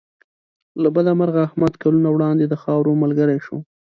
له بده مرغه احمد کلونه وړاندې د خاورو ملګری شو.